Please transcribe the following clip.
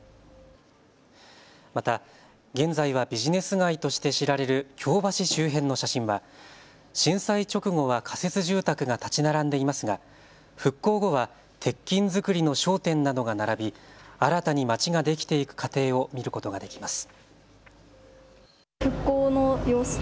また現在はビジネス街として知られる京橋周辺の写真は震災直後は仮設住宅が建ち並んでいますが復興後は鉄筋造りの商店などが並び新たにまちができていく過程を見ることができます。